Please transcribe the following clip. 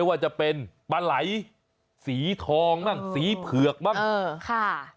อะไรมาก